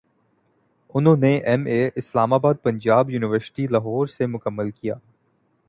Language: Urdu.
انہوں نے ایم اے اسلامیات پنجاب یونیورسٹی لاہور سے مکمل کیا